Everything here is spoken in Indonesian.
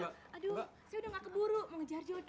aduh saya udah gak keburu mau ngejar jodoh